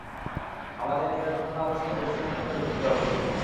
আমাদের নিওয়ের পুরনো আবাসস্থলে সুড়ুত করে ঢুকতে হবে শুধু।